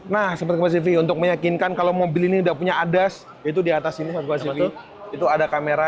nah seperti untuk meyakinkan kalau mobil ini udah punya ada itu di atas ini itu ada kamera